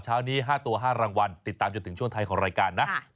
เช้านี้๕ตัว๕รางวัลติดตามจนถึงช่วงท้ายของรายการนะ